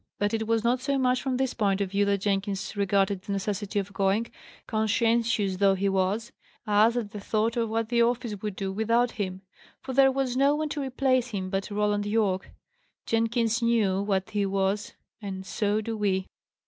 But it was not so much from this point of view that Jenkins regarded the necessity of going conscientious though he was as at the thought of what the office would do without him; for there was no one to replace him but Roland Yorke. Jenkins knew what he was; and so do we.